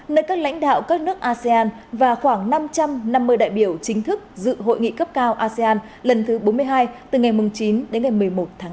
nơi các lãnh đạo các nước asean và khoảng năm trăm năm mươi đại biểu chính thức dự hội nghị cấp cao asean lần thứ bốn mươi hai từ ngày chín đến ngày một mươi một tháng năm